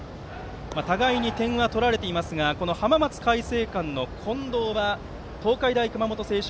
互いに点は取られていますが浜松開誠館の近藤は東海大熊本星翔